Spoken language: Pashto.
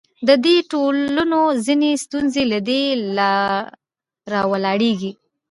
د دې ټولنو ځینې ستونزې له دې راولاړېږي.